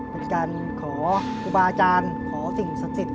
เป็นการขออุปาจารย์ขอสิ่งสัตว์สิทธิ์